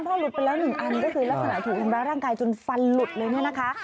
ก็คือลักษณะถูกทำร้างกายจนฟันหลุดเลยนะคะ